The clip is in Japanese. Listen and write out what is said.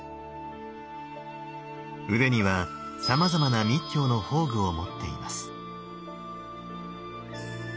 腕にはさまざまな密教の法具を持っています。